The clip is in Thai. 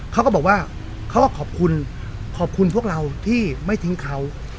เขาก็บอกว่าเขาก็ขอบคุณขอบคุณพวกเราที่ไม่ทิ้งเขา